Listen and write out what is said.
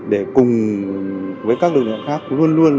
để cùng với các lực lượng khác luôn luôn